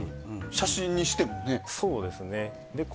写真にしてもね。